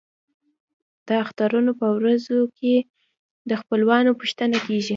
د اخترونو په ورځو کې د خپلوانو پوښتنه کیږي.